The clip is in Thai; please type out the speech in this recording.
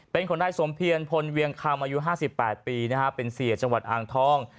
เป็นของนายสมเพียรพลเวียงคำอายุ๕๘ปีเป็นเสียจังหวัดอ่างทอง